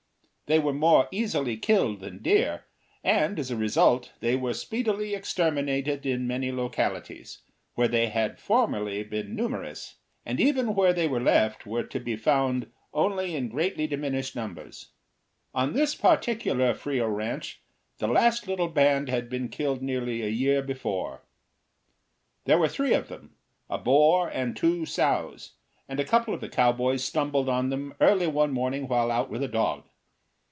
They were more easily killed than deer, and, as a result, they were speedily exterminated in many localities where they had formerly been numerous, and even where they were left were to be found only in greatly diminished numbers. On this particular Frio ranch the last little band had been killed nearly a year before. There were three of them, a boar and two sows, and a couple of the cowboys stumbled on them early one morning while out with a dog.